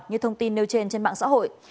như thông tin nêu trên trên mạng xã hội